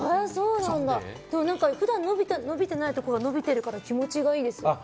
普段伸びてないところが伸びてるから気持ち良いです。